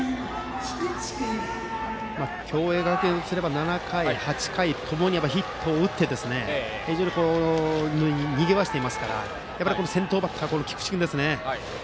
共栄学園とすれば７回、８回ともにヒットを打ってにぎわせていますからやっぱり先頭バッターの菊池君ですね。